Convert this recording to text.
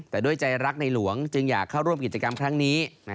แต่ด้วยใจรักในหลวงจึงอยากเข้าร่วมกิจกรรมครั้งนี้